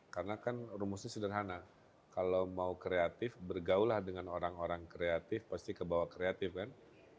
karena kan rumusnya sederhana kalau mau kreatif bergaul dengan orang orang kreatif pasti kebawa kreatif kan